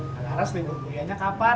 mbak daras libur kuliahnya kapan